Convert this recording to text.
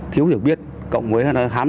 thiếu hiểu biết cộng với